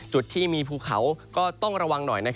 จุดที่มีภูเขาก็ต้องระวังหน่อย